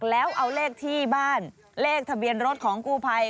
แล้วเอาเลขที่บ้านเลขทะเบียนรถของกู้ภัย